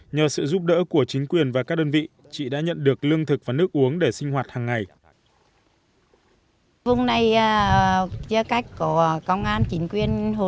nhờ sự giúp đỡ của chính quyền và các đơn vị chị đã nhận được lương thực và nước uống để sinh hoạt hàng ngày